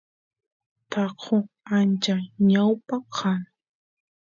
taqo ancha ñawpa kan